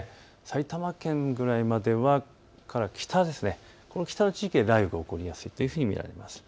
埼玉県ぐらいから北、この北の地域は雷雨が起こりやすいというふうに見られます。